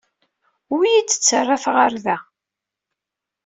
Ur iyi-d-ttarrat ɣer da!